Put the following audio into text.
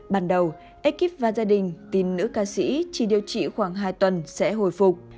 ban đầu ekip và gia đình tin nữ ca sĩ chỉ điều trị khoảng hai tuần sẽ hồi phục